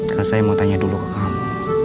karena saya mau tanya dulu ke kamu